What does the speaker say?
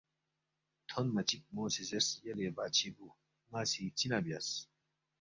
تھونما چِک مو سی زیرس یلے بادشی بُو ن٘ا سی چِنا بیاس ؟